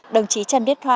đồng chí trần viết hoàn